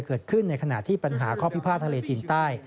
เกิดขึ้นในขณะที่ปัญหาข้อพิพาททะเลจีนใต้